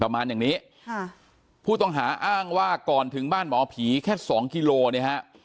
ประมาณอย่างนี้ค่ะผู้ต้องหาอ้างว่าก่อนถึงบ้านหมอผีแค่สองกิโลเนี่ยฮะ